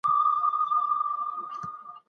که د ژوند اړخ هېر سي دا به تېروتنه وي.